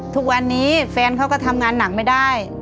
ทุกวันนี้แฟนเขาก็ทำงานหนักไม่ได้